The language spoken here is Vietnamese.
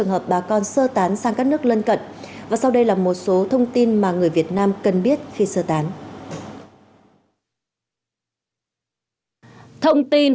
hoặc số điện thoại